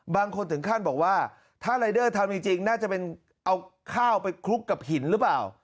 บางคนถึงขั้นบอกว่าถ้ารายเดอร์ทำจริงน่าจะเป็นเอาข้าวไปคลุกกับหินหรือเปล่า